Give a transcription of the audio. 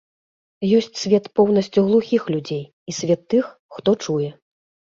Ёсць свет поўнасцю глухіх людзей і свет тых, хто чуе.